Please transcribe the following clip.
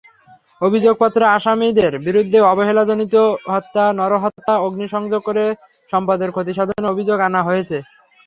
অভিযোগপত্রে আসামিদের বিরুদ্ধে অবহেলাজনিত হত্যা, নরহত্যা, অগ্নিসংযোগ করে সম্পদের ক্ষতিসাধনের অভিযোগ আনা হয়েছে।